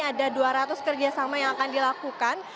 nah pada saat ini ada dua ratus kerja sama yang akan dilakukan